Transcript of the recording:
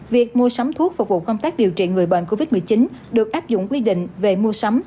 việc mua sắm thuốc phục vụ công tác điều trị người bệnh covid một mươi chín được áp dụng quy định về mua sắm